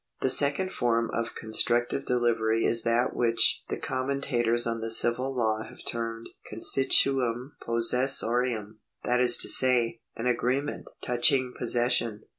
^ The second form of constructive delivery is that which the commentators on the civil law have termed constitutum pos sessorium (that is to say, an agreement touching possession).